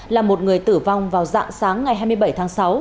là một người tử vong vào dạng sáng ngày hai mươi bảy tháng sáu